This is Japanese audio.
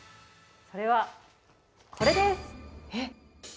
それは、これです。